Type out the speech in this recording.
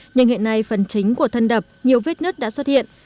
nhưng hiện nay phần chính của thân đập nhiều vết nứt đã xuất hiện